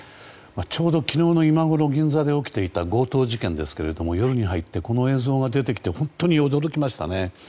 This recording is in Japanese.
ちょうど昨日の今ごろ銀座で起きていた強盗事件ですけれども夜になって、この映像が出てきて本当に驚きましたね。